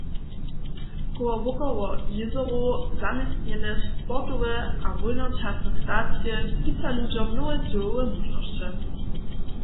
Kołowokoło jězorow zaměstnjene sportowe a wólnočasne stacije skića ludźom nowe dźěłowe móžnosće.